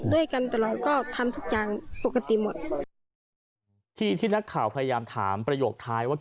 ด้วยกันแต่เราก็ทำทุกอย่างปกติหมดที่ที่นักข่าวพยายามถามประโยคท้ายว่า